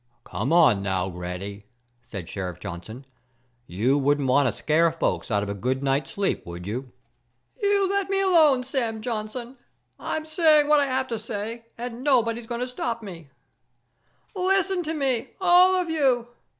"Come on now, Granny," said Sheriff Johnson. "You wouldn't want to scare folks out of a good night's sleep, would you?" "You let me alone, Sam Johnson! I'm saying what I have to say, and nobody's going to stop me. Listen to me, all of you!